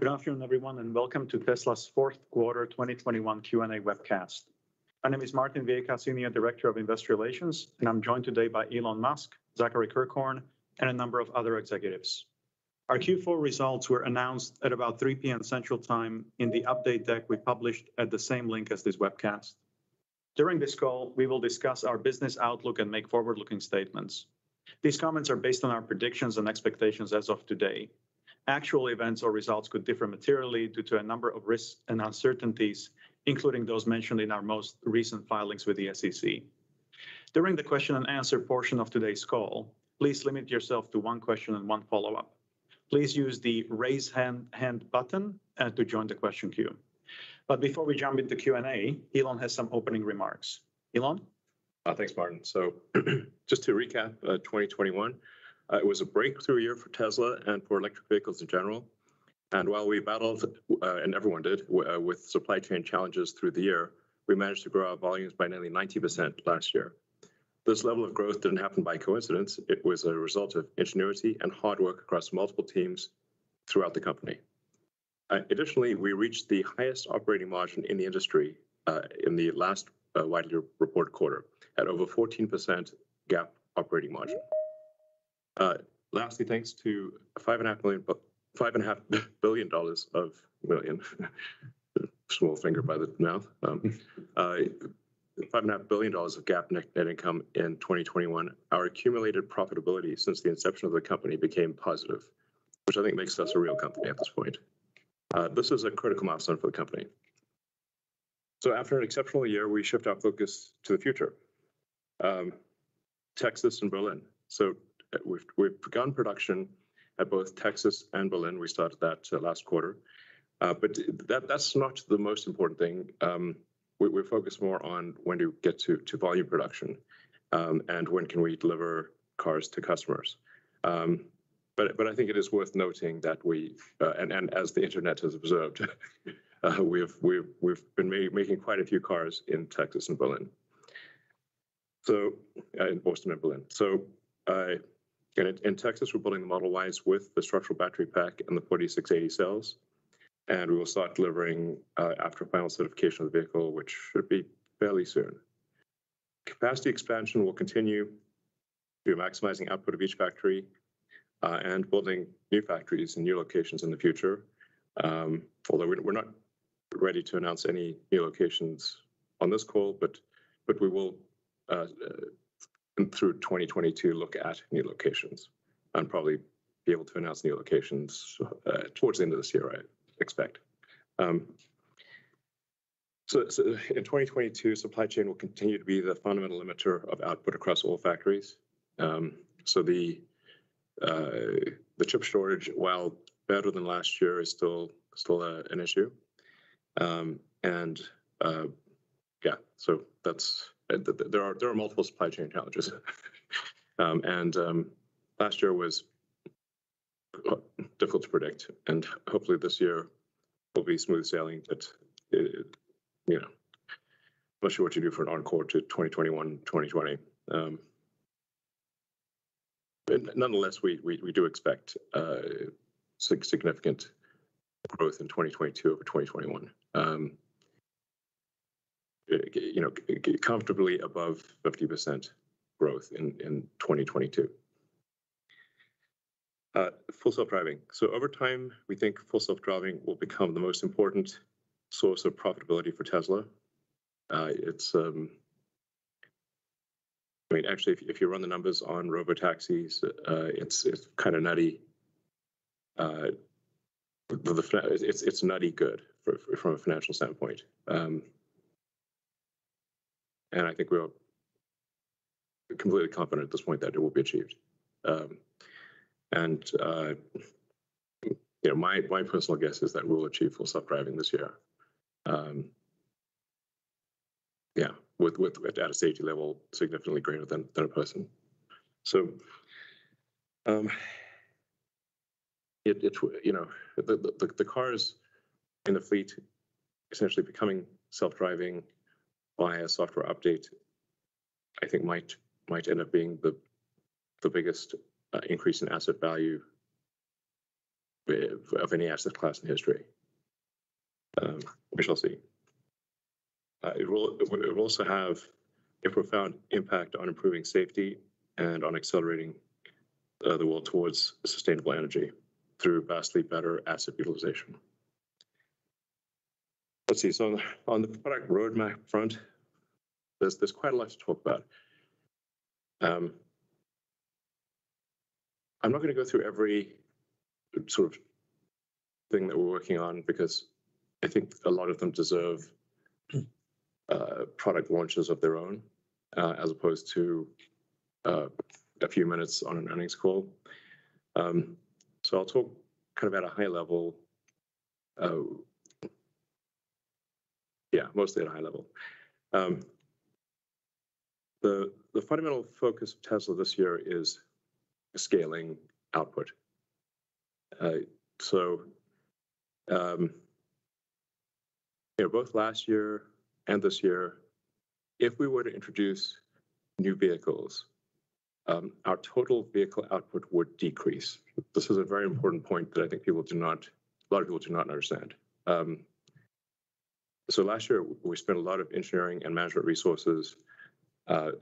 Good afternoon, everyone, and welcome to Tesla's Q4 2021 Q&A webcast. My name is Martin Viecha, Senior Director of Investor Relations, and I'm joined today by Elon Musk, Zachary Kirkhorn, and a number of other executives. Our Q4 results were announced at about 3:00 P.M. Central Time in the update deck we published at the same link as this webcast. During this call, we will discuss our business outlook and make forward-looking statements. These comments are based on our predictions and expectations as of today. Actual events or results could differ materially due to a number of risks and uncertainties, including those mentioned in our most recent filings with the SEC. During the question-and-answer portion of today's call, please limit yourself to one question and one follow-up. Please use the Raise Hand button to join the question queue. Before we jump into Q&A, Elon has some opening remarks. Elon? Thanks, Martin. Just to recap, 2021 it was a breakthrough year for Tesla and for electric vehicles in general. While we battled, and everyone did with supply chain challenges through the year, we managed to grow our volumes by nearly 90% last year. This level of growth didn't happen by coincidence. It was a result of ingenuity and hard work across multiple teams throughout the company. Additionally, we reached the highest operating margin in the industry in the last quarter at over 14% GAAP operating margin. Lastly, thanks to $5.5 billion of GAAP net income in 2021. Our accumulated profitability since the inception of the company became positive, which I think makes us a real company at this point. This is a critical milestone for the company. After an exceptional year, we shift our focus to the future. Texas and Berlin. We've begun production at both Texas and Berlin. We started that last quarter. That's not the most important thing. We're focused more on when we get to volume production and when we can deliver cars to customers. I think it is worth noting that, and as the internet has observed, we've been making quite a few cars in Texas and Berlin. In Austin and Berlin. In Texas, we're building the Model Ys with the structural battery pack and the 4680 cells, and we will start delivering after final certification of the vehicle, which should be fairly soon. Capacity expansion will continue through maximizing output of each factory and building new factories and new locations in the future. Although we're not ready to announce any new locations on this call, but we will through 2022 look at new locations and probably be able to announce new locations towards the end of this year, I expect. In 2022, supply chain will continue to be the fundamental limiter of output across all factories. The chip shortage, while better than last year, is still an issue. There are multiple supply chain challenges. Last year was difficult to predict. Hopefully this year will be smooth sailing. It's, you know, not sure what to do for an encore to 2021, 2020. Nonetheless, we do expect significant growth in 2022 over 2021. Comfortably above 50% growth in 2022. Full Self-Driving. Over time, we think Full Self-Driving will become the most important source of profitability for Tesla. It's, I mean, actually, if you run the numbers on robotaxis, it's kinda nutty. The it's nutty good from a financial standpoint. I think we're completely confident at this point that it will be achieved. You know, my personal guess is that we'll achieve Full Self-Driving this year. Yeah. With a safety level significantly greater than a person. You know, the cars in the fleet essentially becoming self-driving via software update, I think might end up being the biggest increase in asset value of any asset class in history. We shall see. It will also have a profound impact on improving safety and on accelerating the world towards sustainable energy through vastly better asset utilization. Let's see. On the product roadmap front, there's quite a lot to talk about. I'm not gonna go through every sort of thing that we're working on because I think a lot of them deserve product launches of their own as opposed to a few minutes on an earnings call. I'll talk kind of at a high level, yeah, mostly at a high level. The fundamental focus of Tesla this year is scaling output. Both last year and this year, if we were to introduce new vehicles, our total vehicle output would decrease. This is a very important point that I think a lot of people do not understand. Last year we spent a lot of engineering and management resources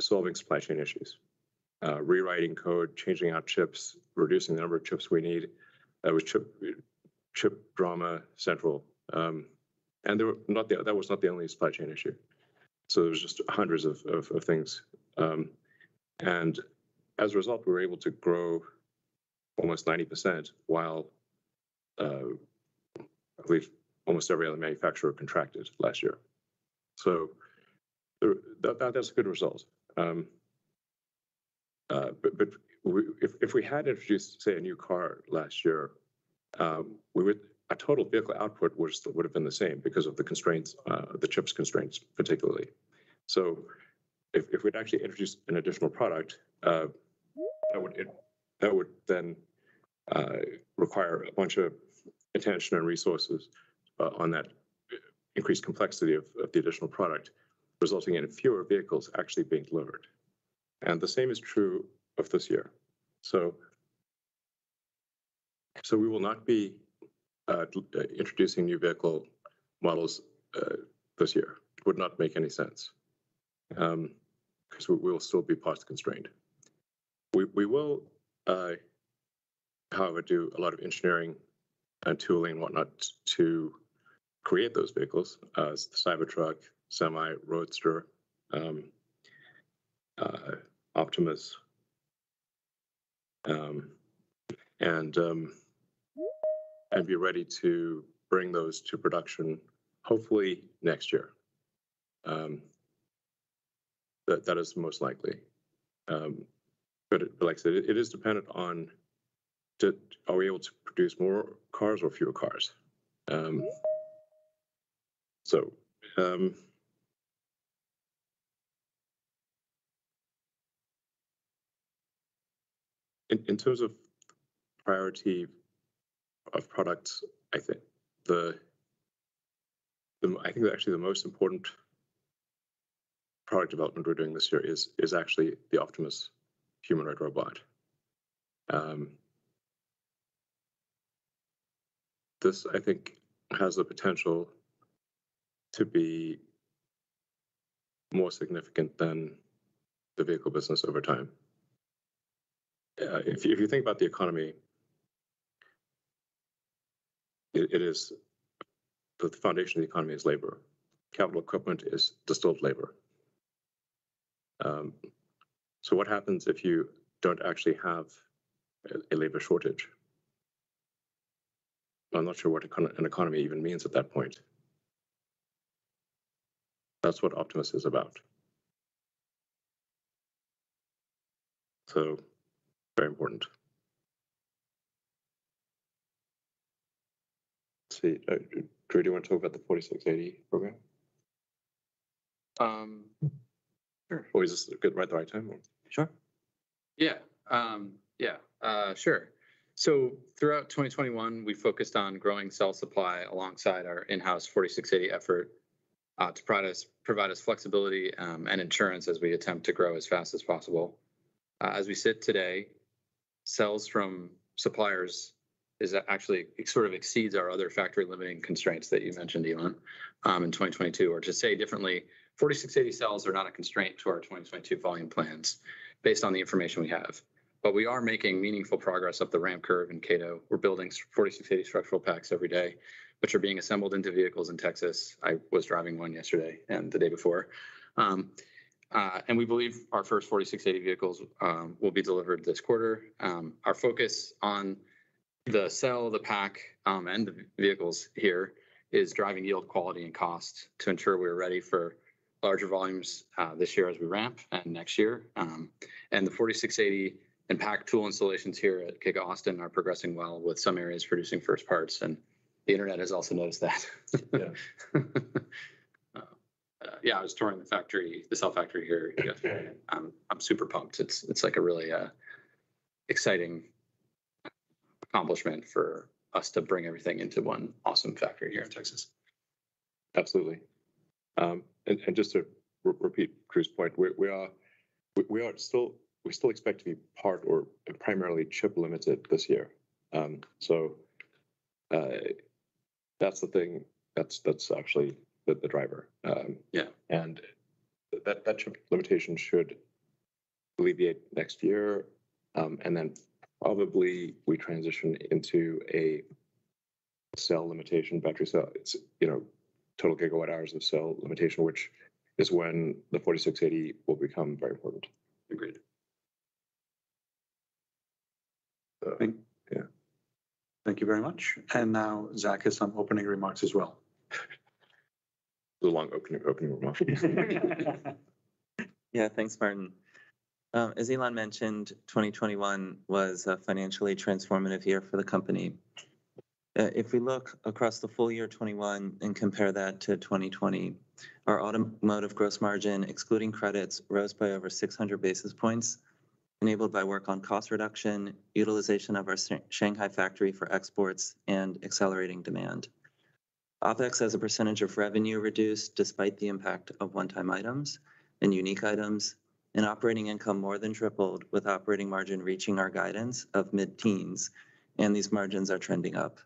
solving supply chain issues, rewriting code, changing out chips, reducing the number of chips we need. It was chip drama central. That was not the only supply chain issue. There was just hundreds of things. As a result, we were able to grow almost 90% while I believe almost every other manufacturer contracted last year. That's a good result. If we had introduced, say, a new car last year, our total vehicle output would have been the same because of the constraints, the chips constraints particularly. If we'd actually introduced an additional product, that would then require a bunch of attention and resources on that increased complexity of the additional product, resulting in fewer vehicles actually being delivered. The same is true of this year. We will not be introducing new vehicle models this year. Would not make any sense, 'cause we'll still be parts constrained. We will, however, do a lot of engineering and tooling whatnot to create those vehicles, Cybertruck, Semi, Roadster, Optimus, and be ready to bring those to production hopefully next year. That is most likely. But like I said, it is dependent on are we able to produce more cars or fewer cars. In terms of priority of products, I think the most important product development we're doing this year is actually the Optimus humanoid robot. This I think has the potential to be more significant than the vehicle business over time. If you think about the economy, it is the foundation of the economy is labor. Capital equipment is distilled labor. What happens if you don't actually have a labor shortage? I'm not sure what an economy even means at that point. That's what Optimus is about. Very important. Let's see. Drew, do you wanna talk about the 4680 program? Sure. Is this the right time or? Sure. Yeah. Throughout 2021, we focused on growing cell supply alongside our in-house 4680 effort, to provide us flexibility, and insurance as we attempt to grow as fast as possible. As we sit today, cells from suppliers actually it sort of exceeds our other factory limiting constraints that you mentioned, Elon, in 2022. To say it differently, 4680 cells are not a constraint to our 2022 volume plans based on the information we have. We are making meaningful progress up the ramp curve in Kato. We're building 4680 structural packs every day, which are being assembled into vehicles in Texas. I was driving one yesterday and the day before. We believe our first 4680 vehicles will be delivered this quarter. Our focus on the cell, the pack, and the vehicles here is driving yield quality and cost to ensure we're ready for larger volumes this year as we ramp and next year. The 4680 and pack tool installations here at Giga Austin are progressing well, with some areas producing first parts, and the internet has also noticed that. Yeah. Yeah, I was touring the factory, the cell factory here yesterday. Yeah. I'm super pumped. It's like a really exciting accomplishment for us to bring everything into one awesome factory here in Texas. Absolutely. And just to repeat Drew's point, we still expect to be partly or primarily chip limited this year. So, that's the thing that's actually the driver. Yeah. That chip limitation should alleviate next year. Probably we transition into a cell limitation, battery cell. It's, you know, total gigawatt hours of cell limitation, which is when the 4680 will become very important. Agreed. So- Thank- Yeah. Thank you very much. Now Zach has some opening remarks as well. It's a long opening remarks. Yeah. Thanks, Martin. As Elon mentioned, 2021 was a financially transformative year for the company. If we look across the full year 2021 and compare that to 2020. Our automotive gross margin, excluding credits, rose by over 600 basis points enabled by work on cost reduction, utilization of our Shanghai factory for exports, and accelerating demand. OpEx as a percentage of revenue reduced despite the impact of one-time items and unique items. Operating income more than tripled with operating margin reaching our guidance of mid-teens, and these margins are trending up.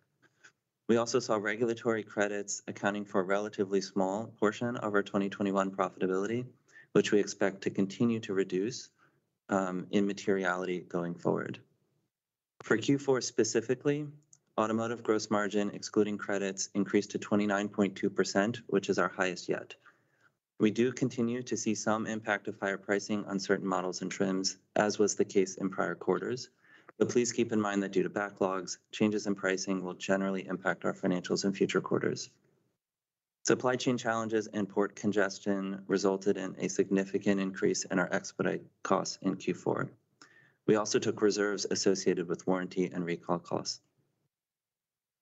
We also saw regulatory credits accounting for a relatively small portion of our 2021 profitability, which we expect to continue to reduce in materiality going forward. For Q4 specifically, automotive gross margin, excluding credits, increased to 29.2%, which is our highest yet. We do continue to see some impact of higher pricing on certain models and trims, as was the case in prior quarters. Please keep in mind that due to backlogs, changes in pricing will generally impact our financials in future quarters. Supply chain challenges and port congestion resulted in a significant increase in our expedite costs in Q4. We also took reserves associated with warranty and recall costs.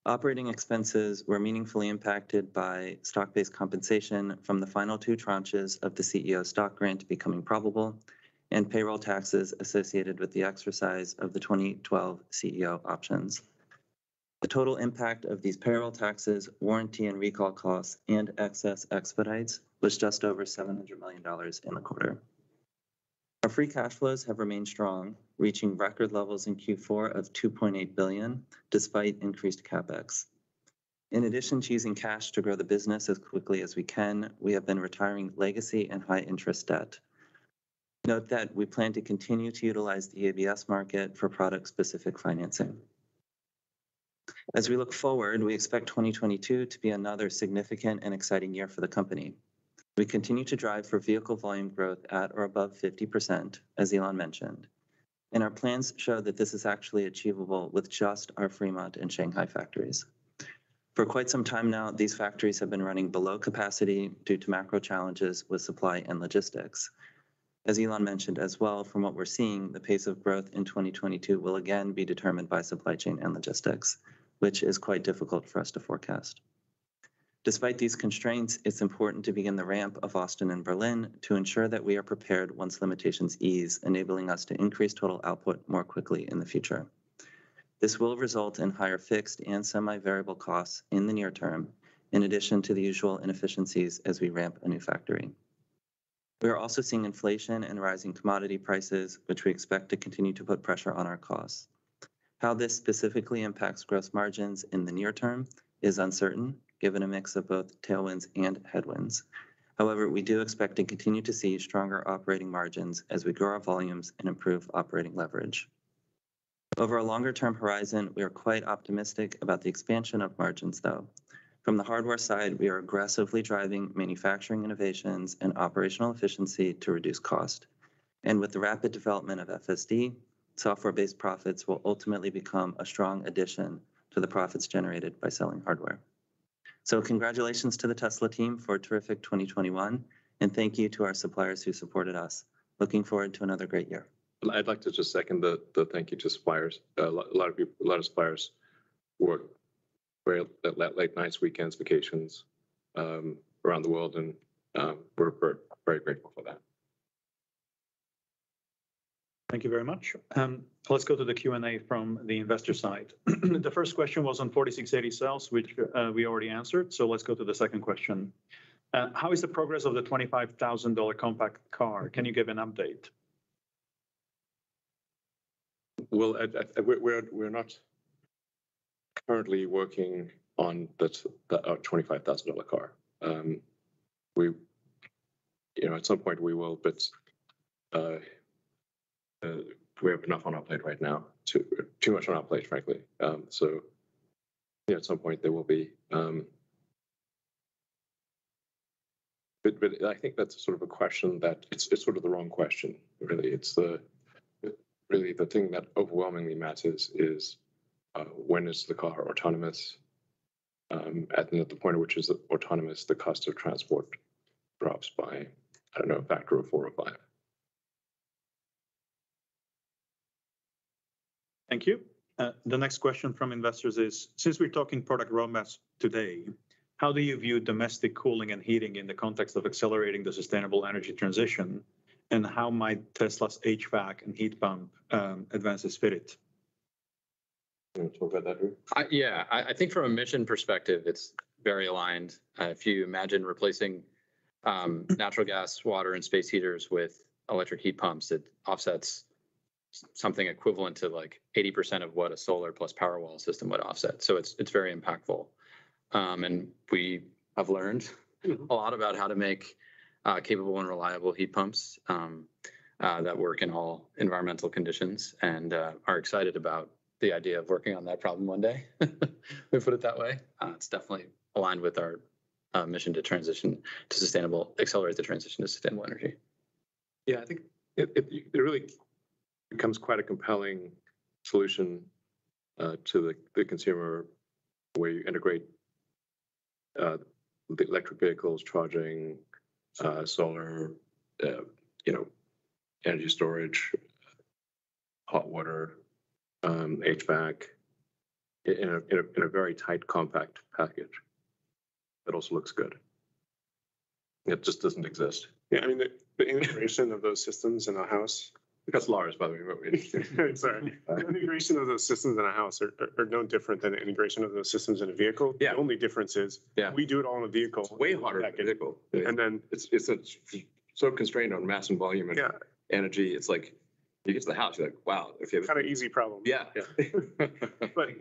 Operating expenses were meaningfully impacted by stock-based compensation from the final two tranches of the CEO stock grant becoming probable and payroll taxes associated with the exercise of the 2012 CEO options. The total impact of these payroll taxes, warranty and recall costs, and excess expedites was just over $700 million in the quarter. Our free cash flows have remained strong, reaching record levels in Q4 of $2.8 billion, despite increased CapEx. In addition to using cash to grow the business as quickly as we can, we have been retiring legacy and high-interest debt. Note that we plan to continue to utilize the ABS market for product-specific financing. As we look forward, we expect 2022 to be another significant and exciting year for the company. We continue to drive for vehicle volume growth at or above 50%, as Elon mentioned, and our plans show that this is actually achievable with just our Fremont and Shanghai factories. For quite some time now, these factories have been running below capacity due to macro challenges with supply and logistics. As Elon mentioned as well, from what we're seeing, the pace of growth in 2022 will again be determined by supply chain and logistics, which is quite difficult for us to forecast. Despite these constraints, it's important to begin the ramp of Austin and Berlin to ensure that we are prepared once limitations ease, enabling us to increase total output more quickly in the future. This will result in higher fixed and semi-variable costs in the near term, in addition to the usual inefficiencies as we ramp a new factory. We are also seeing inflation and rising commodity prices, which we expect to continue to put pressure on our costs. How this specifically impacts gross margins in the near term is uncertain, given a mix of both tailwinds and headwinds. However, we do expect and continue to see stronger operating margins as we grow our volumes and improve operating leverage. Over a longer-term horizon, we are quite optimistic about the expansion of margins, though. From the hardware side, we are aggressively driving manufacturing innovations and operational efficiency to reduce cost. With the rapid development of FSD, software-based profits will ultimately become a strong addition to the profits generated by selling hardware. Congratulations to the Tesla team for a terrific 2021, and thank you to our suppliers who supported us. Looking forward to another great year. I'd like to just second the thank you to suppliers. A lot of suppliers worked late nights, weekends, vacations around the world, and we're very grateful for that. Thank you very much. Let's go to the Q&A from the investor side. The first question was on 4680 cells, which we already answered. Let's go to the second question. How is the progress of the $25,000 compact car? Can you give an update? Well, we're not currently working on the $25,000 car. You know, at some point we will, but we have enough on our plate right now. Too much on our plate, frankly. You know, at some point there will be. I think that's sort of a question that it's sort of the wrong question, really. Really the thing that overwhelmingly matters is when is the car autonomous? At the point at which it's autonomous, the cost of transport drops by, I don't know, a factor of four or five. Thank you. The next question from investors is, since we're talking product roadmaps today, how do you view domestic cooling and heating in the context of accelerating the sustainable energy transition? How might Tesla's HVAC and heat pump advance this spirit? You wanna talk about that, Drew? Yeah. I think from a mission perspective, it's very aligned. If you imagine replacing natural gas, water, and space heaters with electric heat pumps, it offsets something equivalent to, like, 80% of what a solar plus Powerwall system would offset. It's very impactful. We have learned a lot about how to make capable and reliable heat pumps that work in all environmental conditions and are excited about the idea of working on that problem one day, if we put it that way. It's definitely aligned with our mission to accelerate the transition to sustainable energy. Yeah, I think it really becomes quite a compelling solution to the consumer where you integrate the electric vehicles charging, solar, you know, energy storage, hot water, HVAC in a very tight, compact package that also looks good. It just doesn't exist. Yeah, I mean, the integration of those systems in a house. That's Lars, by the way. Sorry. The integration of those systems in a house are no different than the integration of those systems in a vehicle. Yeah. The only difference is. Yeah. We do it all in a vehicle. It's way harder in a vehicle. And then- It's so constrained on mass and volume- Yeah. energy. It's like you get to the house, you're like, "Wow, if you have- It's kind of easy problem. Yeah. Yeah.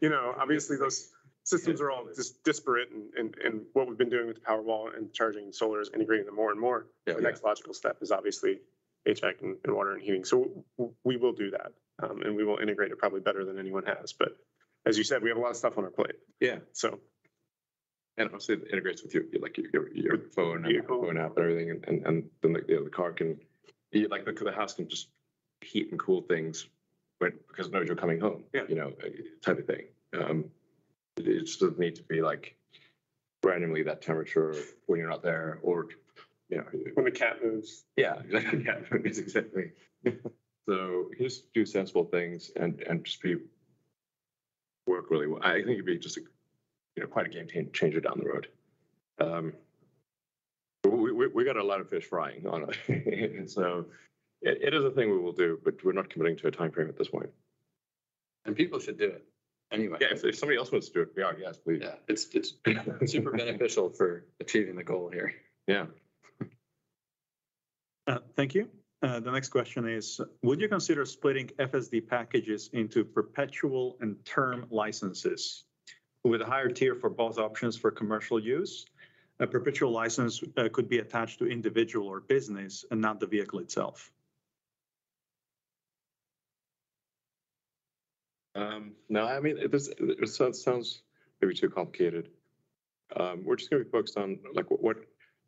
You know, obviously those systems are all disparate and what we've been doing with Powerwall and charging solar is integrating them more and more. Yeah. Yeah. The next logical step is obviously HVAC and water and heating. We will do that, and we will integrate it probably better than anyone has. As you said, we have a lot of stuff on our plate. Yeah. So... Obviously, it integrates with your, like your phone. Yeah. Your phone. Your phone app and everything, and then like the other car can. Yeah, like the house can just heat and cool things when because it knows you're coming home. Yeah You know, type of thing. It just doesn't need to be like randomly that temperature when you're not there or, you know. When the cat moves. Yeah. When the cat moves, exactly. Can just do sensible things and just work really well. I think it'd be just a, you know, quite a game change down the road. We got a lot of fish frying, don't we? It is a thing we will do, but we're not committing to a time frame at this point. People should do it anyway. Yeah. If somebody else wants to do it, yeah. Yes, please. Yeah. It's super beneficial for achieving the goal here. Yeah. The next question is, would you consider splitting FSD packages into perpetual and term licenses with a higher tier for both options for commercial use? A perpetual license could be attached to individual or business and not the vehicle itself. No, I mean, this. It sounds maybe too complicated. We're just gonna be focused on like what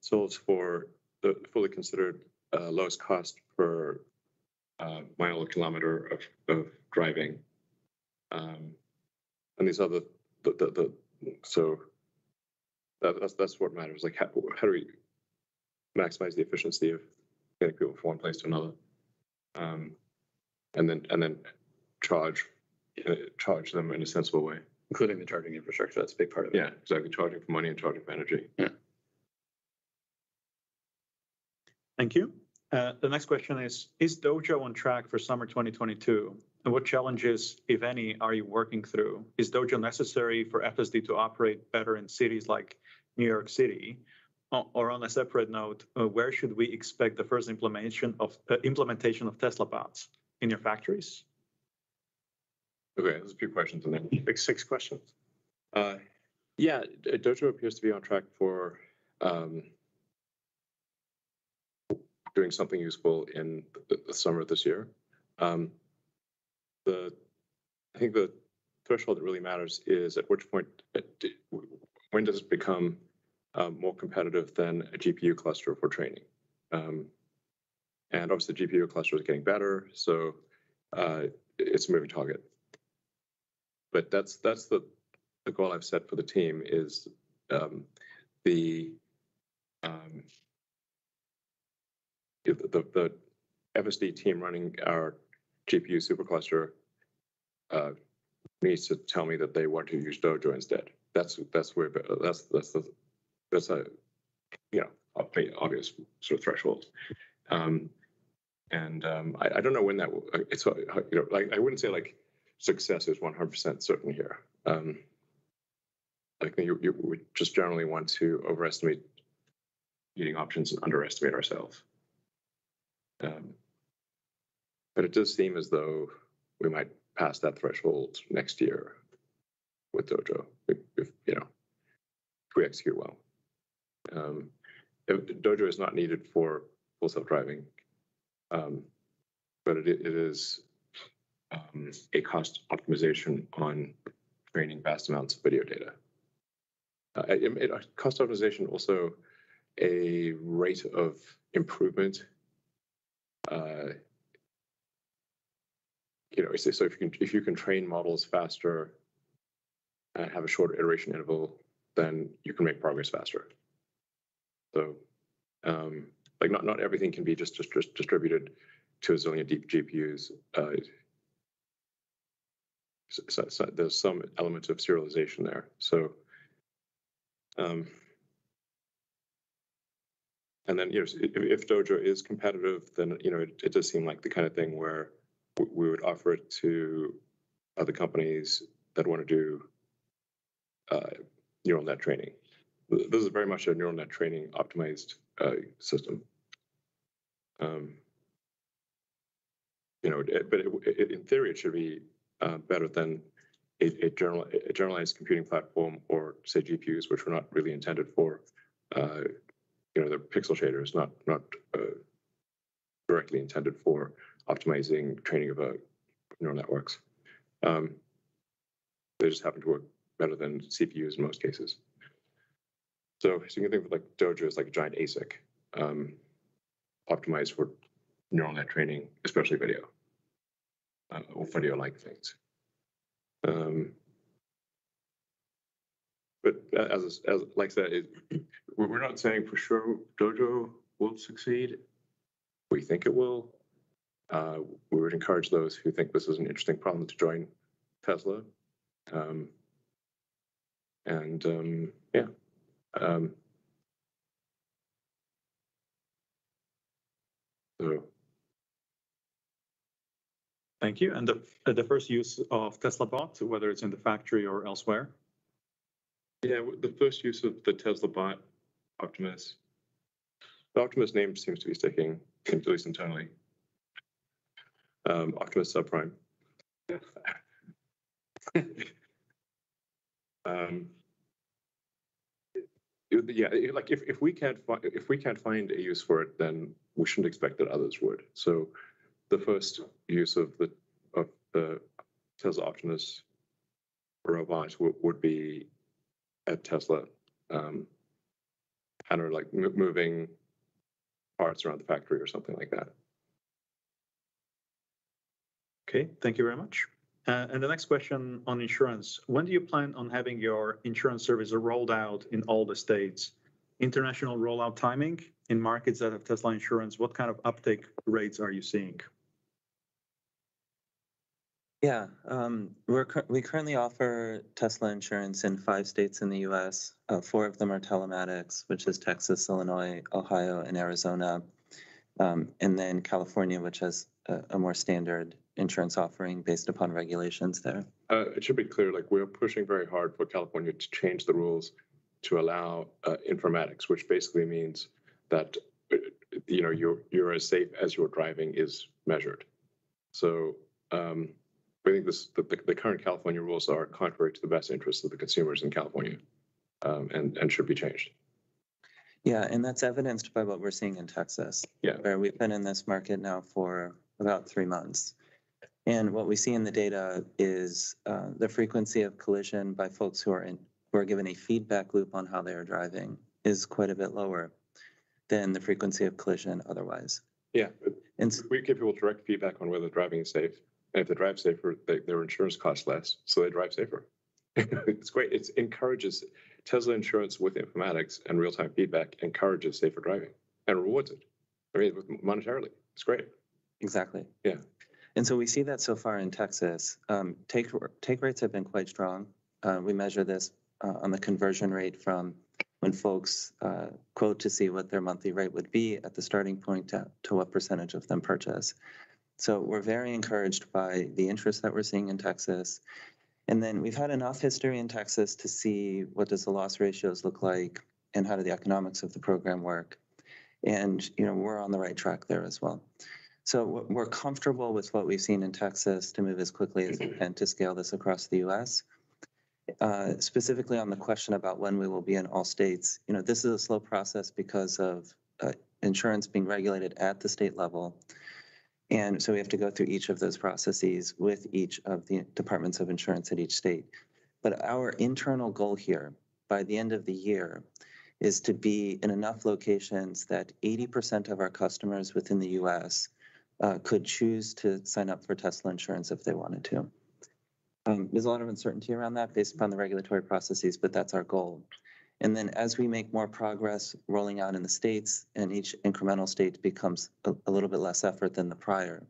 solves for the fully considered lowest cost per mile or kilometer of driving. That's what matters. Like how do we maximize the efficiency of getting people from one place to another, and then charge them in a sensible way. Including the charging infrastructure, that's a big part of it. Yeah, exactly. Charging for money and charging for energy. Yeah. Thank you. The next question is Dojo on track for summer 2022? What challenges, if any, are you working through? Is Dojo necessary for FSD to operate better in cities like New York City? Or, on a separate note, where should we expect the first implementation of Tesla Bots in your factories? Okay, there's a few questions in there. Like six questions. Dojo appears to be on track for doing something useful in the summer of this year. I think the threshold that really matters is at which point when does this become more competitive than a GPU cluster for training? Obviously the GPU cluster is getting better, so it's a moving target. That's the goal I've set for the team is the FSD team running our GPU supercluster needs to tell me that they want to use Dojo instead. That's a you know obvious sort of threshold. I don't know when that will. It's you know like I wouldn't say like success is 100% certain here. Like you would just generally want to overestimate getting options and underestimate ourselves. But it does seem as though we might pass that threshold next year with Dojo if you know if we execute well. Dojo is not needed for Full Self-Driving, but it is a cost optimization on training vast amounts of video data. Cost optimization is also a rate of improvement. You know, if you can train models faster and have a shorter iteration interval, then you can make progress faster. Like not everything can be just distributed to a zillion deep GPUs. There's some elements of serialization there. If Dojo is competitive, then, you know, it does seem like the kind of thing where we would offer it to other companies that wanna do neural net training. This is very much a neural net training optimized system. But in theory, it should be better than a generalized computing platform or, say, GPUs, which were not really intended for their pixel shader is not directly intended for optimizing training of neural networks. They just happen to work better than CPUs in most cases. You can think of like Dojo as like a giant ASIC optimized for neural net training, especially video or video-like things. As Lars said, we're not saying for sure Dojo won't succeed. We think it will. We would encourage those who think this is an interesting problem to join Tesla. Thank you. The first use of Tesla Bot, whether it's in the factory or elsewhere? Yeah. The first use of the Tesla Bot, Optimus. The Optimus name seems to be sticking, at least internally. Optimus Subprime. Yeah, like if we can't find a use for it, then we shouldn't expect that others would. The first use of the Tesla Optimus robot would be at Tesla, kind of like moving parts around the factory or something like that. Okay. Thank you very much. The next question on insurance, when do you plan on having your insurance service rolled out in all the states? International rollout timing in markets that have Tesla Insurance, what kind of uptake rates are you seeing? Yeah. We currently offer Tesla insurance in five states in the U.S. Four of them are telematics, which is Texas, Illinois, Ohio, and Arizona. California, which has a more standard insurance offering based upon regulations there. It should be clear, like we're pushing very hard for California to change the rules to allow informatics, which basically means that you know, you're as safe as your driving is measured. We think the current California rules are contrary to the best interest of the consumers in California, and should be changed. Yeah. That's evidenced by what we're seeing in Texas. Yeah where we've been in this market now for about three months. What we see in the data is, the frequency of collision by folks who are given a feedback loop on how they are driving is quite a bit lower than the frequency of collision otherwise. Yeah. And s- We give people direct feedback on whether driving is safe. If they drive safer, they, their insurance costs less, so they drive safer. It's great. Tesla Insurance with informatics and real-time feedback encourages safer driving and rewards it, I mean, monetarily. It's great. Exactly. Yeah. We see that so far in Texas. Take rates have been quite strong. We measure this on the conversion rate from when folks quote to see what their monthly rate would be at the starting point to what percentage of them purchase. We're very encouraged by the interest that we're seeing in Texas. Then we've had enough history in Texas to see what the loss ratios look like and how the economics of the program work. You know, we're on the right track there as well. We're comfortable with what we've seen in Texas to move as quickly- Mm-hmm to scale this across the U.S. Specifically on the question about when we will be in all states, you know, this is a slow process because of insurance being regulated at the state level. We have to go through each of those processes with each of the departments of insurance at each state. Our internal goal here, by the end of the year, is to be in enough locations that 80% of our customers within the U.S. could choose to sign up for Tesla Insurance if they wanted to. There's a lot of uncertainty around that based upon the regulatory processes, but that's our goal. As we make more progress rolling out in the states, and each incremental state becomes a little bit less effort than the prior,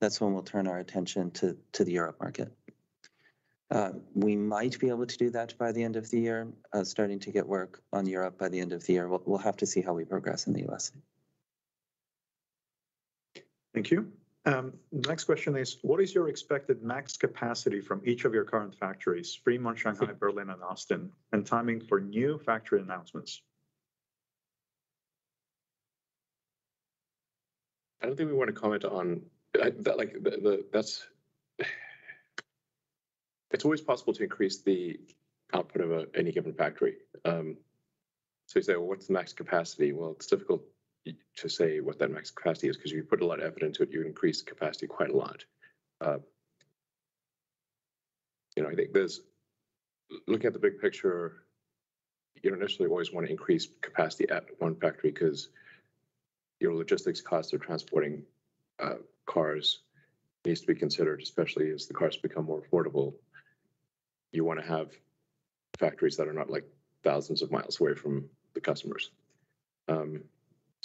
that's when we'll turn our attention to the European market. We might be able to do that by the end of the year, starting to get work on Europe by the end of the year. We'll have to see how we progress in the U.S. Thank you. Next question is, what is your expected max capacity from each of your current factories, Fremont, Shanghai, Berlin, and Austin, and timing for new factory announcements? I don't think we want to comment on that. It's always possible to increase the output of any given factory. You say, "Well, what's the max capacity?" Well, it's difficult to say what that max capacity is 'cause you put a lot of effort into it, you increase capacity quite a lot. I think looking at the big picture, you don't necessarily always wanna increase capacity at one factory 'cause your logistics costs of transporting cars needs to be considered, especially as the cars become more affordable. You wanna have factories that are not like thousands of miles away from the customers.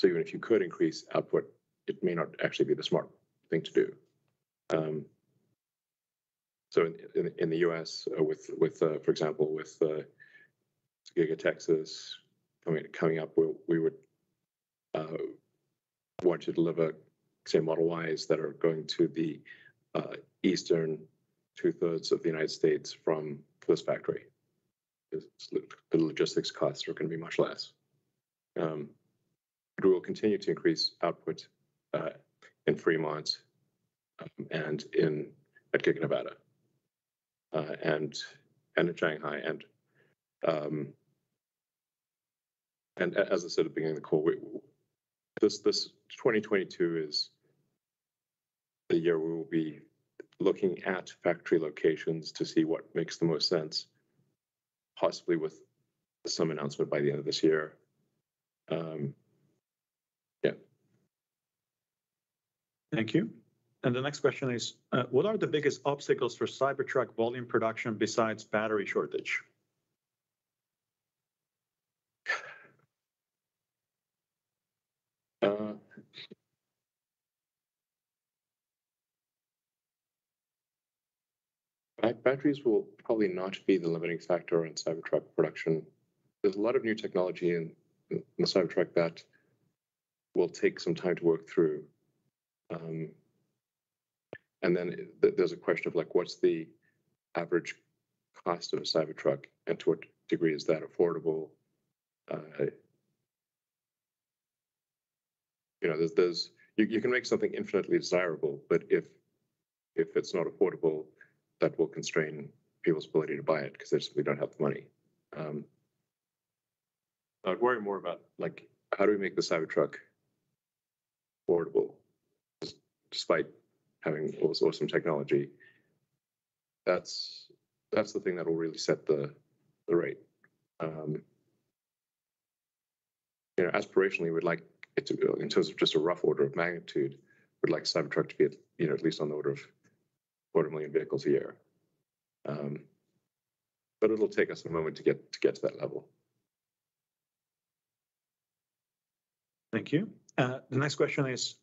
Even if you could increase output, it may not actually be the smart thing to do. In the U.S., for example, with Giga Texas coming up, we would want to deliver, say, Model Ys that are going to the eastern two-thirds of the United States from this factory. 'Cause the logistics costs are gonna be much less. We will continue to increase output in Fremont and at Giga Nevada and at Shanghai. As I said at the beginning of the call, this 2022 is the year we will be looking at factory locations to see what makes the most sense, possibly with some announcement by the end of this year. Yeah. Thank you. The next question is, what are the biggest obstacles for Cybertruck volume production besides battery shortage? Batteries will probably not be the limiting factor in Cybertruck production. There's a lot of new technology in the Cybertruck that will take some time to work through. There's a question of, like, what's the average cost of a Cybertruck and to what degree is that affordable? You know, you can make something infinitely desirable, but if it's not affordable, that will constrain people's ability to buy it 'cause they simply don't have the money. I'd worry more about, like, how do we make the Cybertruck affordable despite having all this awesome technology? That's the thing that will really set the rate. You know, aspirationally, we'd like it to in terms of just a rough order of magnitude, we'd like Cybertruck to be at, you know, at least on the order of 250,000 vehicles a year. It'll take us a moment to get to that level. Thank you. The next question is,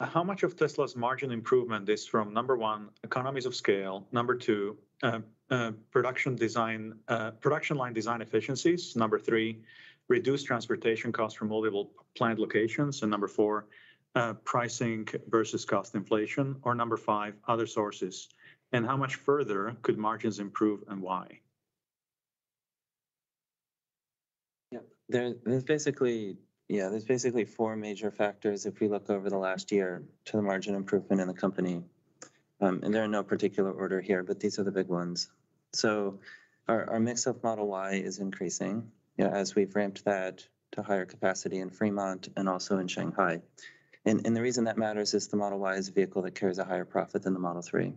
how much of Tesla's margin improvement is from, number one, economies of scale, number two, production line design efficiencies, number three, reduced transportation costs from multiple plant locations, and number four, pricing versus cost inflation, or number five, other sources? How much further could margins improve, and why? There's basically four major factors if we look over the last year to the margin improvement in the company. They're in no particular order here, but these are the big ones. Our mix of Model Y is increasing, you know, as we've ramped that to higher capacity in Fremont and also in Shanghai. The reason that matters is the Model Y is a vehicle that carries a higher profit than the Model 3.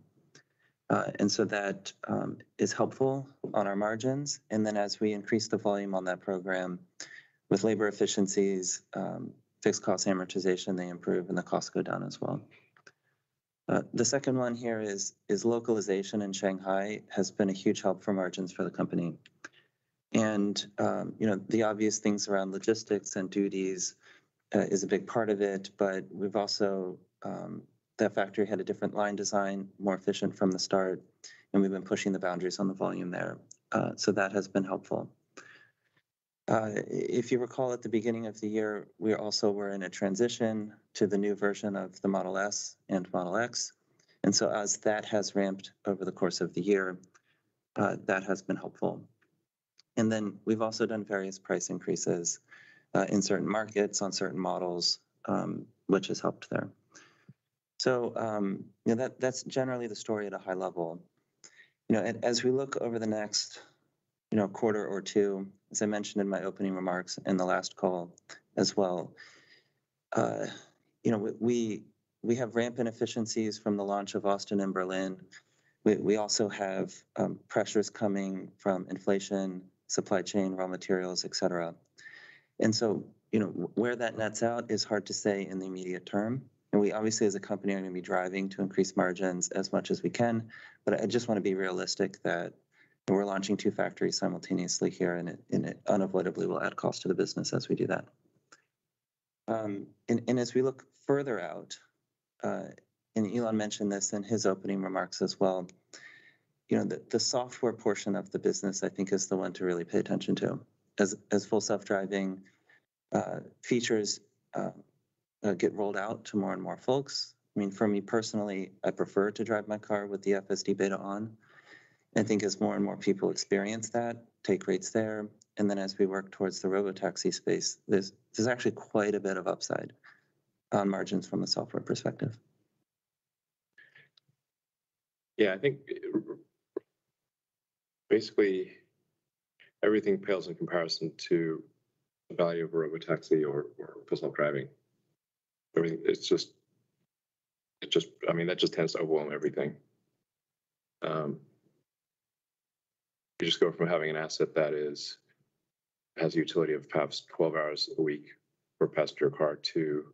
That is helpful on our margins. As we increase the volume on that program, with labor efficiencies, fixed cost amortization, they improve and the costs go down as well. The second one here is localization in Shanghai has been a huge help for margins for the company. You know, the obvious things around logistics and duties is a big part of it. That factory had a different line design, more efficient from the start, and we've been pushing the boundaries on the volume there. That has been helpful. If you recall at the beginning of the year, we also were in a transition to the new version of the Model S and Model X. As that has ramped over the course of the year, that has been helpful. We've also done various price increases in certain markets, on certain models, which has helped there. You know, that's generally the story at a high level. You know, as we look over the next, you know, quarter or two, as I mentioned in my opening remarks in the last call as well, you know, we have rampant inefficiencies from the launch of Austin and Berlin. We also have pressures coming from inflation, supply chain, raw materials, et cetera. You know, where that nets out is hard to say in the immediate term. We obviously, as a company, are gonna be driving to increase margins as much as we can. I just wanna be realistic that when we're launching two factories simultaneously here and it unavoidably will add cost to the business as we do that. As we look further out, and Elon mentioned this in his opening remarks as well, you know, the software portion of the business, I think, is the one to really pay attention to as Full Self-Driving features get rolled out to more and more folks. I mean, for me personally, I prefer to drive my car with the FSD Beta on. I think as more and more people experience that, take rates there, and then as we work towards the robotaxi space, there's actually quite a bit of upside on margins from a software perspective. Yeah. I think basically, everything pales in comparison to the value of a robotaxi or personal driving. I mean, it's just, I mean, that just tends to overwhelm everything. You just go from having an asset that has a utility of perhaps 12 hours a week for a passenger car to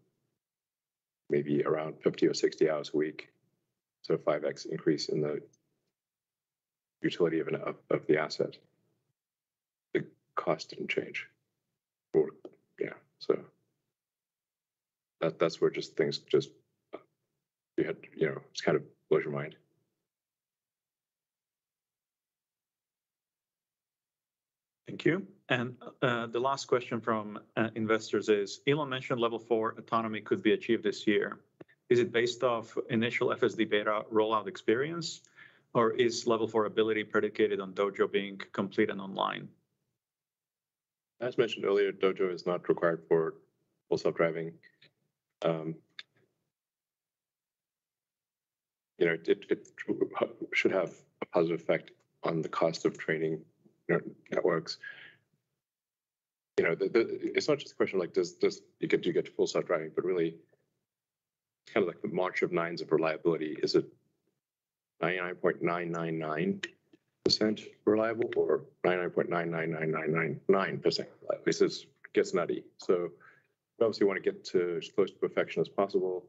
maybe around 50 or 60 hours a week, so 5x increase in the utility of the asset. The cost didn't change. Or, yeah. That's where just things, you know, just kind of blows your mind. Thank you. The last question from investors is, Elon mentioned level four autonomy could be achieved this year. Is it based off initial FSD Beta rollout experience, or is level four ability predicated on Dojo being complete and online? As mentioned earlier, Dojo is not required for Full Self-Driving. You know, it should have a positive effect on the cost of training neural networks. It's not just a question of like, you get to Full Self-Driving, but really it's kind of like the march of nines of reliability. Is it 99.999% reliable or 99.999999% reliable. This gets nutty. We obviously wanna get to as close to perfection as possible.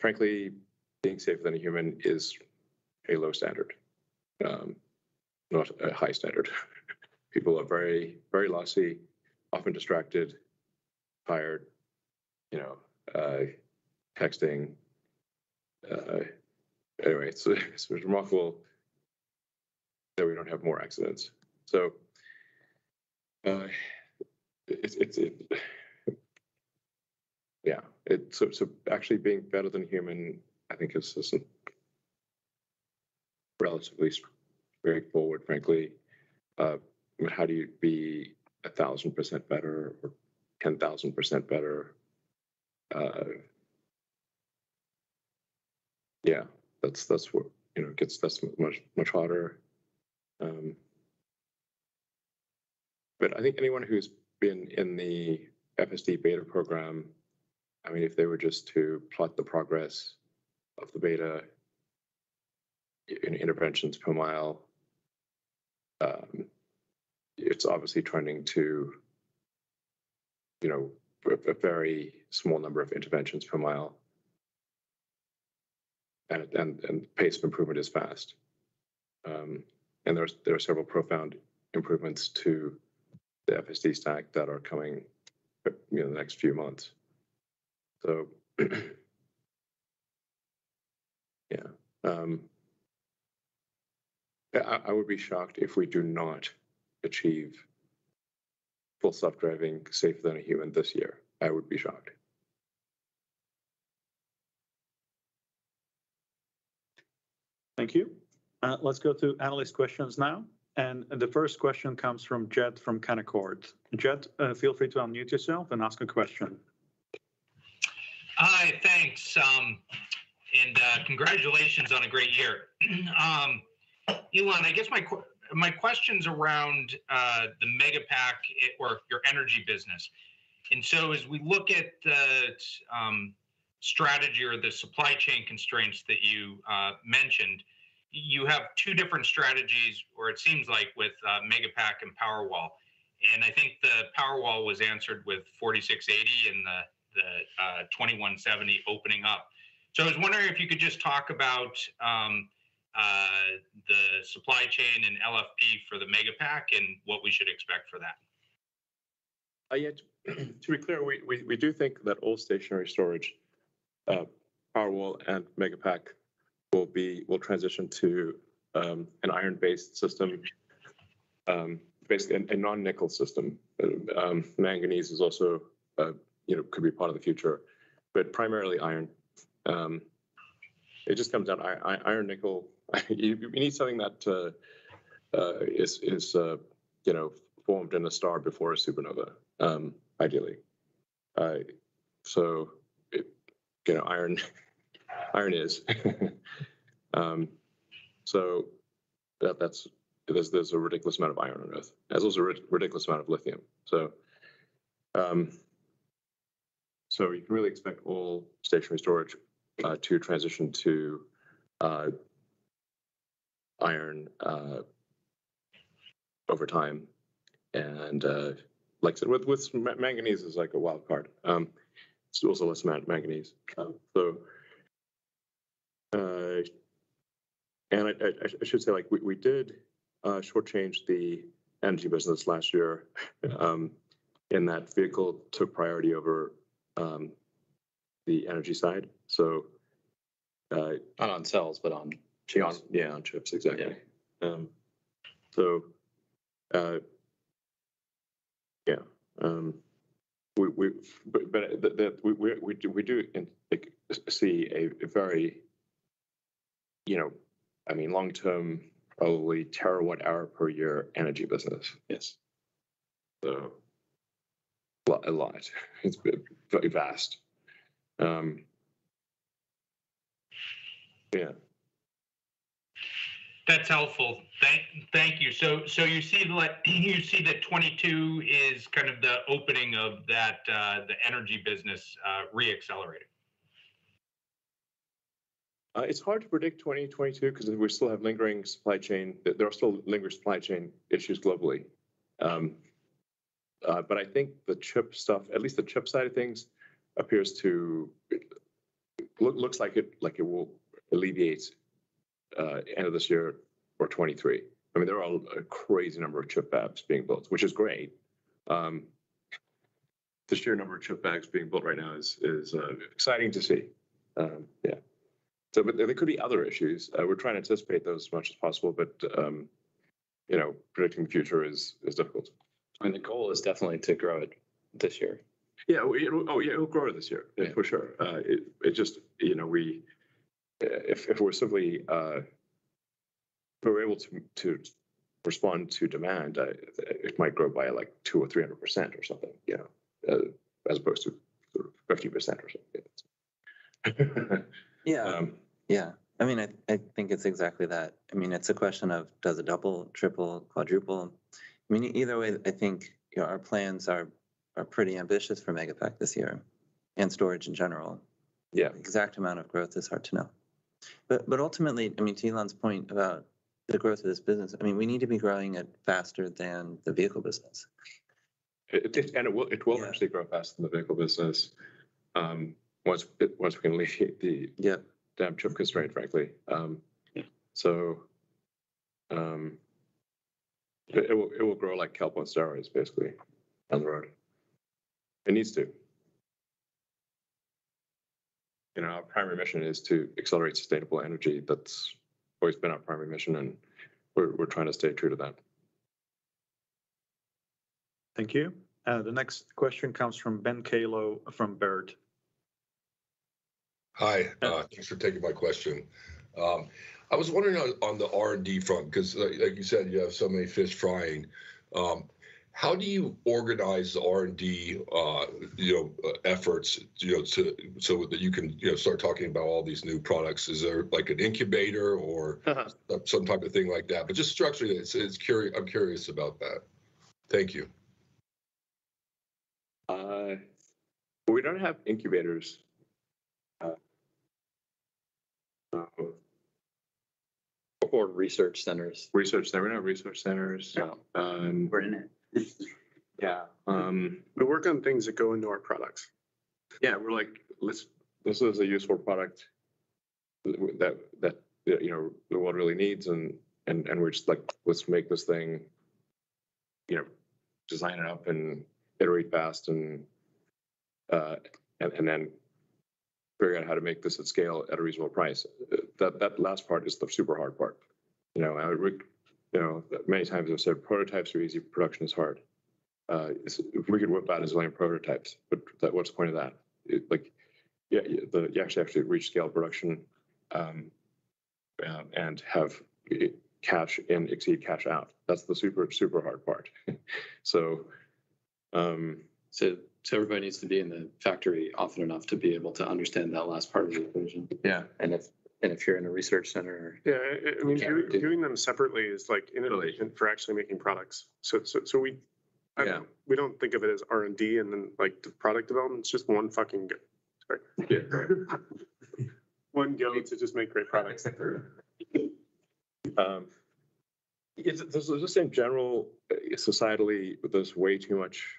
Frankly, being safer than a human is a low standard, not a high standard. People are very, very lossy, often distracted, tired, you know, texting. Anyway, it's. Actually, being better than human, I think is just relatively straightforward, frankly. How do you be 1000% better or 10,000% better? Yeah, that's what, you know, gets. That's much harder. But I think anyone who's been in the FSD Beta program, I mean, if they were just to plot the progress of the beta in interventions per mile, it's obviously trending to, you know, a very small number of interventions per mile. Pace of improvement is fast. There are several profound improvements to the FSD stack that are coming, you know, in the next few months. Yeah. I would be shocked if we do not achieve Full Self-Driving safer than a human this year. I would be shocked. Thank you. Let's go to analyst questions now. The first question comes from Jed from Canaccord. Jed, feel free to unmute yourself and ask a question. Hi. Thanks, and congratulations on a great year. Elon, I guess my question's around the Megapack or your energy business. As we look at the strategy or the supply chain constraints that you mentioned, you have two different strategies, or it seems like, with Megapack and Powerwall. I think the Powerwall was answered with 4680 and the 2170 opening up. I was wondering if you could just talk about the supply chain and LFP for the Megapack and what we should expect for that. Yeah, to be clear, we do think that all stationary storage, Powerwall and Megapack will transition to an iron-based system, basically a non-nickel system. Manganese is also, you know, could be part of the future. Primarily iron. It just comes down iron nickel. You need something that is, you know, formed in a star before a supernova, ideally. It, you know, iron is. That's, there's a ridiculous amount of iron on Earth, as well as a ridiculous amount of lithium. We can really expect all stationary storage to transition to iron over time. Like I said, with manganese is like a wild card. There's also less amount of manganese. I should say, like we did shortchange the energy business last year in that vehicle took priority over the energy side. Not on cells, but on chips. Yeah, on chips. Exactly. Yeah. We do and like see a very, you know, I mean, long-term, probably terawatt hour per year energy business. Yes. A lot. It's very vast. Yeah. That's helpful. Thank you. You see that 2022 is kind of the opening of that, the energy business, re-accelerating? It's hard to predict 2022 'cause we still have lingering supply chain issues globally. But I think the chip stuff, at least the chip side of things, appears to look like it will alleviate end of this year or 2023. I mean, there are a crazy number of chip fabs being built, which is great. The sheer number of chip fabs being built right now is exciting to see. But there could be other issues. We're trying to anticipate those as much as possible, but you know, predicting the future is difficult. The goal is definitely to grow it this year. Yeah. Oh, yeah, it'll grow it this year. Yeah. For sure. It just, you know, if we're simply able to respond to demand, it might grow by like 200%-300% or something, you know, as opposed to sort of 50% or something. Yeah. I mean, I think it's exactly that. I mean, it's a question of does it double, triple, quadruple? I mean, either way, I think, you know, our plans are pretty ambitious for Megapack this year and storage in general. Yeah. The exact amount of growth is hard to know. Ultimately, I mean, Elon's point about the growth of this business, I mean, we need to be growing it faster than the vehicle business. It-it... And it will- Yeah.... it will actually grow faster than the vehicle business, once we can alleviate the- Yeah. damn chip constraint, frankly. Yeah. It will grow like kelp on steroids, basically, down the road. It needs to. You know, our primary mission is to accelerate sustainable energy. That's always been our primary mission, and we're trying to stay true to that. Thank you. The next question comes from Ben Kallo from Baird. Hi. Yeah. Thanks for taking my question. I was wondering on the R&D front, 'cause like you said, you have so many fish frying. How do you organize the R&D, you know, efforts, you know, so that you can, you know, start talking about all these new products? Is there, like, an incubator or- Uh-huh. Some type of thing like that? Just structurally, I'm curious about that. Thank you. We don't have incubators. Research centers. Research center. We don't have research centers. Yeah. Um- We're in it. Yeah. We work on things that go into our products. Yeah. We're like, "Let's. This is a useful product that you know the world really needs," and we're just like, "Let's make this thing, you know, design it up and iterate fast and then figure out how to make this at scale at a reasonable price." That last part is the super hard part. You know, we you know many times we've said prototypes are easy, production is hard. We could whip out a zillion prototypes, but that, what's the point of that? Yeah. You actually have to reach scale production, and have cash in exceeds cash out. That's the super hard part. Everybody needs to be in the factory often enough to be able to understand that last part of the equation. Yeah. If you're in a research center. Yeah, it- You can't do- Doing them separately is, like, inefficient for actually making products. We Yeah We don't think of it as R&D and then, like, the product development. It's just one fucking go. Sorry. Yeah. Our goal is to just make great products. Exactly. Just in general, societally, there's way too much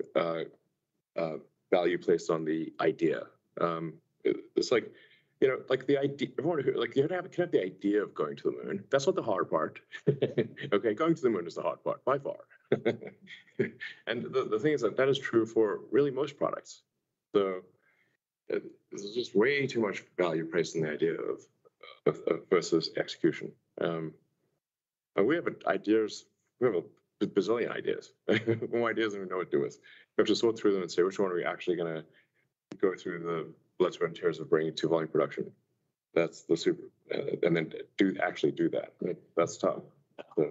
value placed on the idea. It's like, you know, like, you can have the idea of going to the moon. That's not the hard part. Okay? Going to the moon is the hard part by far. The thing is that that is true for really most products. There's just way too much value placed on the idea versus execution. We have ideas. We have a bazillion ideas. More ideas than we know what to do with. We have to sort through them and say which one are we actually gonna go through the blood, sweat, and tears of bringing to volume production. Actually do that. Right. That's tough. Yeah.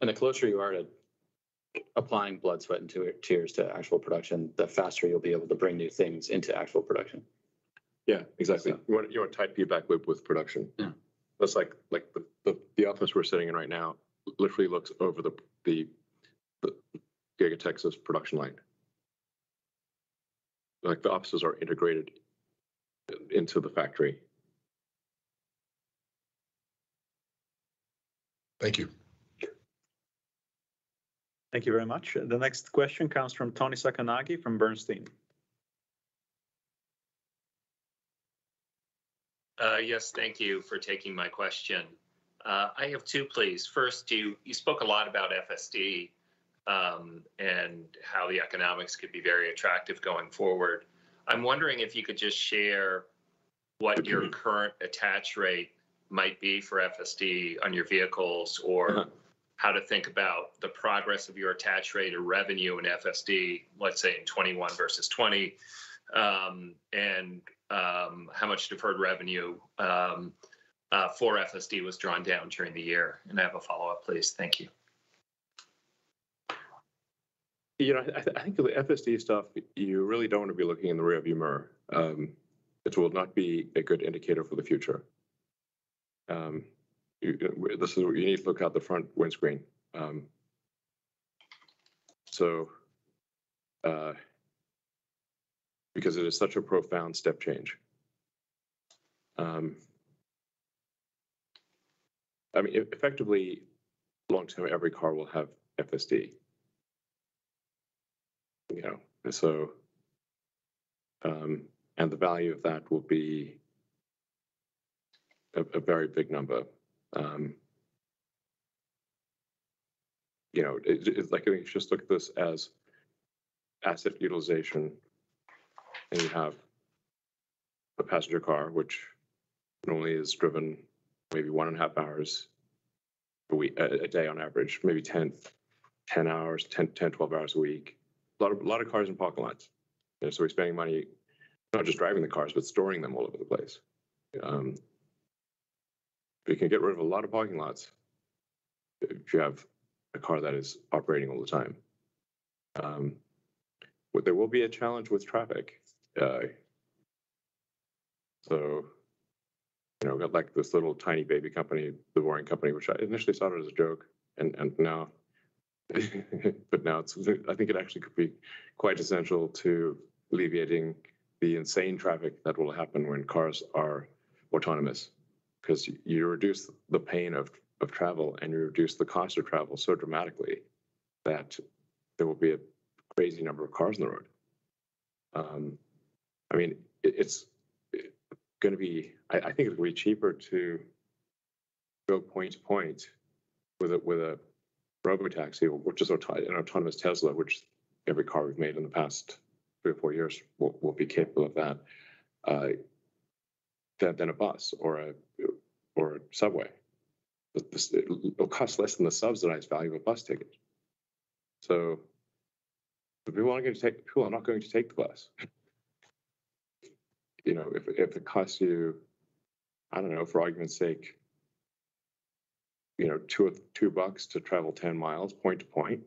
The closer you are to applying blood, sweat, and tears to actual production, the faster you'll be able to bring new things into actual production. Yeah, exactly. Yeah. You want tight feedback loop with production. Yeah. That's like the office we're sitting in right now literally looks over the Giga Texas production line. Like, the offices are integrated into the factory. Thank you. Sure. Thank you very much. The next question comes from Toni Sacconaghi from Bernstein. Yes. Thank you for taking my question. I have two, please. First, you spoke a lot about FSD, and how the economics could be very attractive going forward. I'm wondering if you could just share what. Mm-hmm your current attach rate might be for FSD on your vehicles or. Mm-hmm How to think about the progress of your attach rate or revenue in FSD, let's say in 2021 versus 2020? How much deferred revenue for FSD was drawn down during the year? I have a follow-up, please. Thank you. You know, I think with the FSD stuff, you really don't wanna be looking in the rearview mirror. It will not be a good indicator for the future. This is where you need to look out the front windscreen. Because it is such a profound step change. I mean, effectively, long-term, every car will have FSD, you know. The value of that will be a very big number. You know, it's like if you just look at this as asset utilization, and you have a passenger car which normally is driven maybe 1.5 hours a day on average, maybe 10 to 12 hours a week. Lots of cars in parking lots. We're spending money not just driving the cars, but storing them all over the place. We can get rid of a lot of parking lots if you have a car that is operating all the time. There will be a challenge with traffic. You know, we've got like this little tiny baby company, The Boring Company, which I initially started as a joke and now it's. I think it actually could be quite essential to alleviating the insane traffic that will happen when cars are autonomous 'cause you reduce the pain of travel and you reduce the cost of travel so dramatically that there will be a crazy number of cars on the road. I mean, I think it'll be cheaper to go point to point with a robotaxi, which is an autonomous Tesla, which every car we've made in the past three or four years will be capable of that, than a bus or a subway. It'll cost less than the subsidized value of a bus ticket. People are not going to take the bus. You know, if it costs you, I don't know, for argument's sake, you know, $2 to travel 10 mi point to point,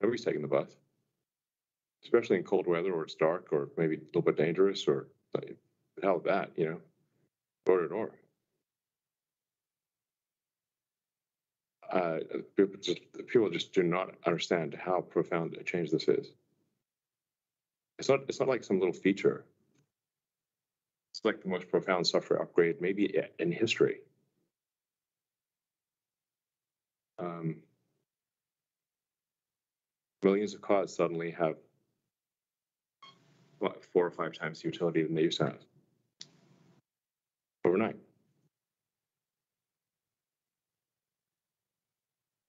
nobody's taking the bus, especially in cold weather or it's dark or maybe a little bit dangerous or hell that, you know, door to door. People just do not understand how profound a change this is. It's not like some little feature. It's like the most profound software upgrade maybe in history. Millions of cars suddenly have what? four or five times the utility than they used to have overnight.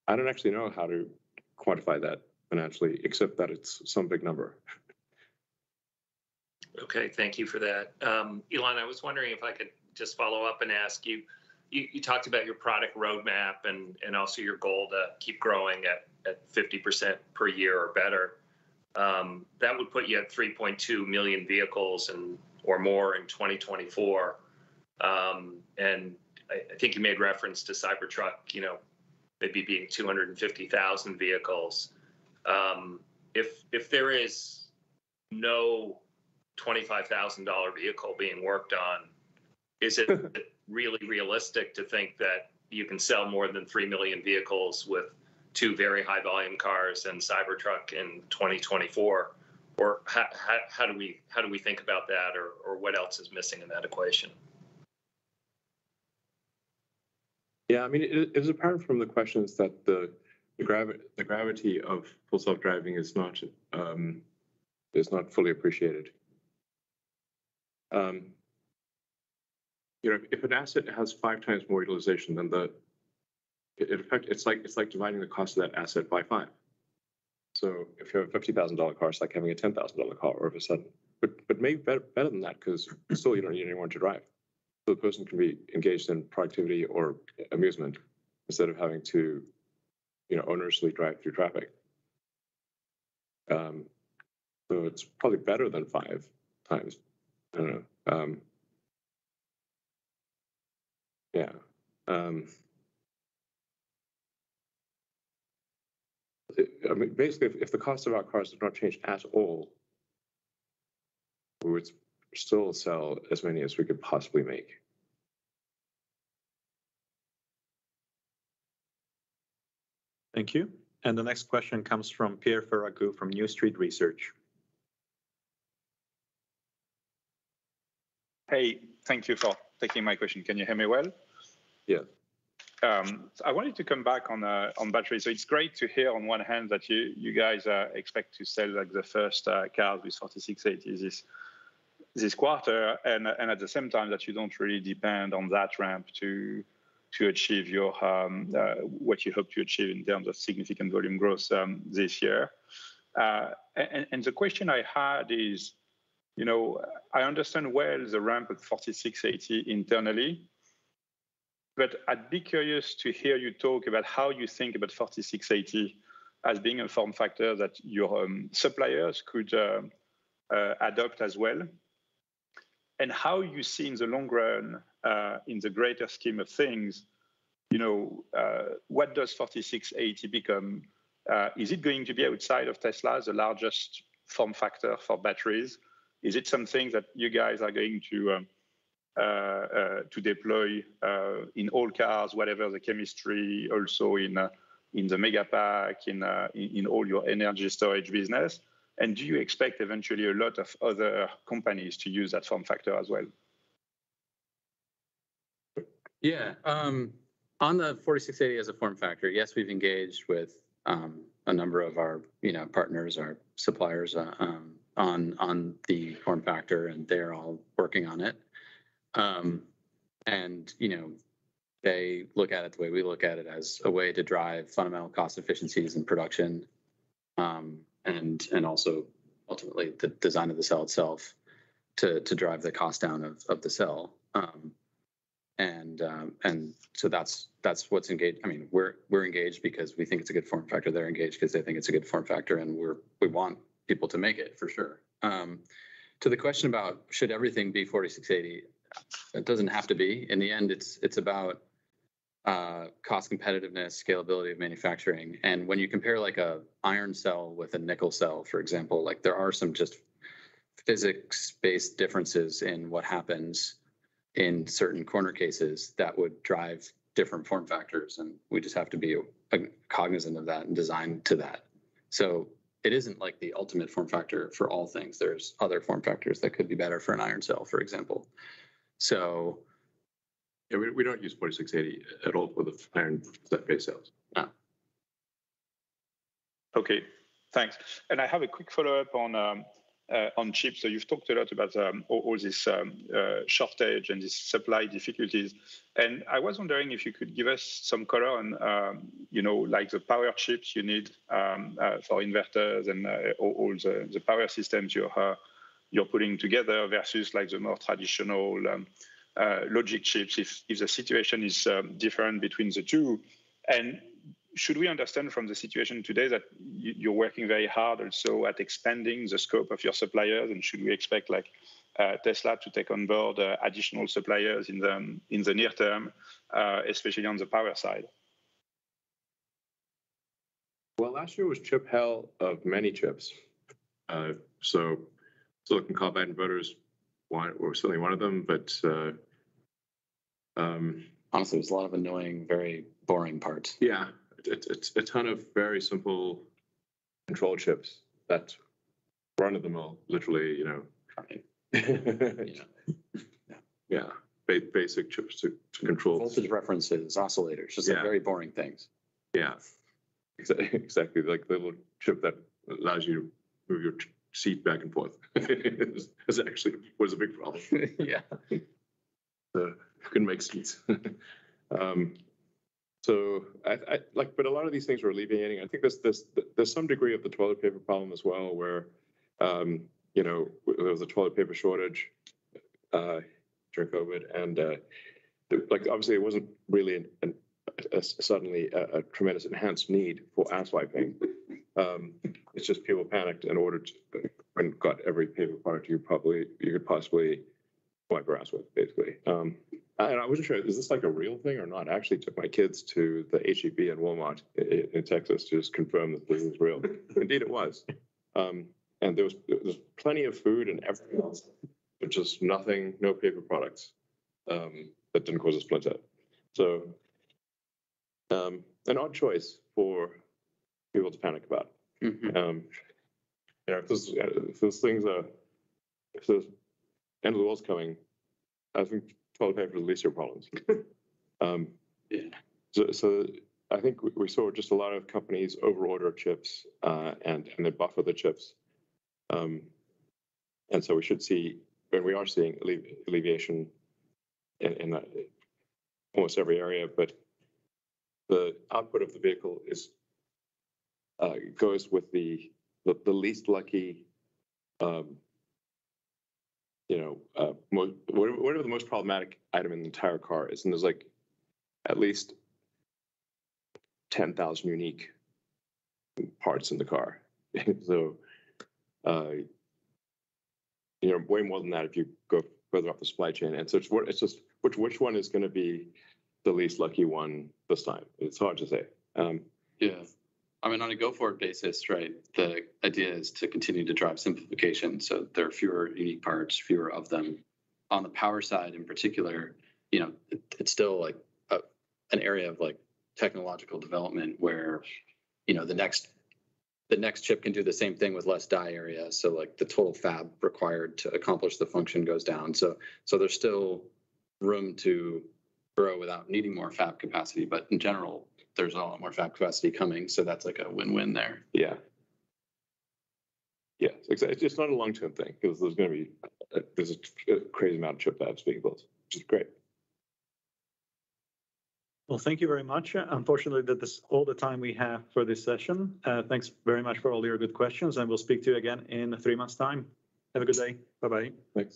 I don't actually know how to quantify that financially except that it's some big number. Okay. Thank you for that. Elon, I was wondering if I could just follow up and ask you talked about your product roadmap and also your goal to keep growing at 50% per year or better. That would put you at 3.2 million vehicles or more in 2024. And I think you made reference to Cybertruck, you know, maybe being 250,000 vehicles. If there is no $25,000 vehicle being worked on, is it really realistic to think that you can sell more than 3 million vehicles with two very high volume cars and Cybertruck in 2024? Or how do we think about that or what else is missing in that equation? Yeah, I mean, it was apparent from the questions that the gravity of Full Self-Driving is not fully appreciated. You know, if an asset has five times more utilization than the. In effect, it's like dividing the cost of that asset by five. If you have a $50,000 car, it's like having a $10,000 car all of a sudden. But may be better than that 'cause still you don't need anyone to drive. The person can be engaged in productivity or amusement instead of having to, you know, onerously drive through traffic. It's probably better than five times. I don't know. Yeah. I mean, basically if the cost of our cars did not change at all, we would still sell as many as we could possibly make. Thank you. The next question comes from Pierre Ferragu from New Street Research. Hey, thank you for taking my question. Can you hear me well? Yeah. I wanted to come back on battery. It's great to hear on one hand that you guys expect to sell like the first cars with 4680 this quarter and at the same time that you don't really depend on that ramp to achieve your what you hope to achieve in terms of significant volume growth this year. The question I had is, you know, I understand where the ramp at 4680 internally, but I'd be curious to hear you talk about how you think about 4680 as being a form factor that your suppliers could adopt as well. How you see in the long run in the greater scheme of things, you know, what does 4680 become? Is it going to be outside of Tesla as the largest form factor for batteries? Is it something that you guys are going to deploy in all cars, whatever the chemistry also in all your energy storage business? Do you expect eventually a lot of other companies to use that form factor as well? Yeah. On the 4680 as a form factor, yes, we've engaged with a number of our, you know, partners, our suppliers, on the form factor, and they're all working on it. You know, they look at it the way we look at it as a way to drive fundamental cost efficiencies in production, and also ultimately the design of the cell itself to drive the cost down of the cell. So that's what's engaged. I mean, we're engaged because we think it's a good form factor. They're engaged 'cause they think it's a good form factor, and we want people to make it for sure. To the question about should everything be 4680, it doesn't have to be. In the end, it's about cost competitiveness, scalability of manufacturing. When you compare like a iron cell with a nickel cell, for example, like there are some just physics-based differences in what happens in certain corner cases that would drive different form factors, and we just have to be cognizant of that and design to that. It isn't like the ultimate form factor for all things. There's other form factors that could be better for an iron cell, for example. Yeah, we don't use 4680 at all for the iron-based cells. No. Okay. Thanks. I have a quick follow-up on chips. You've talked a lot about all this shortage and these supply difficulties, and I was wondering if you could give us some color on you know like the power chips you need for investors and all the power systems you're putting together versus like the more traditional logic chips if the situation is different between the two. Should we understand from the situation today that you're working very hard also at expanding the scope of your suppliers, and should we expect like Tesla to take on board additional suppliers in the near term especially on the power side? Well, last year was chip hell of many chips. Silicon carbide inverters were certainly one of them, but, It's a lot of annoying, very boring parts. Yeah. It's a ton of very simple control chips that run them all literally, you know. Yeah. Yeah. Basic chips to control Voltage references, oscillators. Yeah. Just like very boring things. Yeah. Exactly. Like the little chip that allows you to move your seat back and forth. This actually was a big problem. Yeah. Couldn't make seats. So a lot of these things we're alleviating. I think there's some degree of the toilet paper problem as well where you know there was a toilet paper shortage during COVID and like obviously there wasn't really suddenly a tremendous, enhanced need for ass wiping. It's just people panicked and ordered and got every paper product you could possibly wipe your ass with basically. I wasn't sure is this like a real thing or not? I actually took my kids to the H-E-B and Walmart in Texas to just confirm that this was real. Indeed, it was. There was plenty of food and everything else but just no paper products that didn't let up. An odd choice for people to panic about. Mm-hmm. You know, 'cause those things are if the end of the world's coming, I think toilet paper is the least of your problems. So I think we saw just a lot of companies overorder chips, and then buffer the chips. We should see, and we are seeing alleviation in almost every area. But the output of the vehicle is it goes with the least lucky, you know, whatever the most problematic item in the entire car is, and there's like at least 10,000 unique parts in the car. You know, way more than that if you go further up the supply chain. It's just which one is gonna be the least lucky one this time. It's hard to say. Yeah. I mean, on a go-forward basis, right, the idea is to continue to drive simplification so there are fewer unique parts, fewer of them. On the power side in particular, you know, it's still like an area of like technological development where, you know, the next chip can do the same thing with less die area, so like the total fab required to accomplish the function goes down. So there's still room to grow without needing more fab capacity, but in general, there's a lot more fab capacity coming, so that's like a win-win there. Yeah. It's just not a long-term thing because there's gonna be a crazy amount of chip fabs being built, which is great. Well, thank you very much. Unfortunately, that is all the time we have for this session. Thanks very much for all your good questions, and we'll speak to you again in three months' time. Have a good day. Bye-bye. Thank you.